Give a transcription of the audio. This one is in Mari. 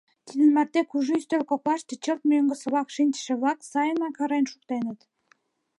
Тидын марте кужу ӱстел коклаште чылт мӧҥгысылак шинчыше-влак сайынак ырен шуктеныт.